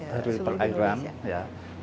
dari perairan ya